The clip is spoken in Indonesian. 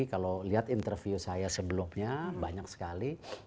kalau lihat interview saya sebelumnya banyak sekali